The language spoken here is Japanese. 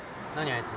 あいつ。